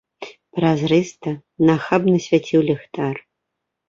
Празрыста, нахабна свяціў ліхтар.